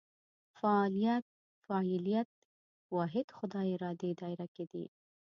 فعالیت فاعلیت واحد خدای ارادې دایره کې دي.